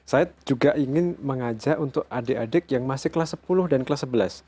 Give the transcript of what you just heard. saya juga ingin mengajak untuk adik adik yang masih kelas sepuluh dan kelas sebelas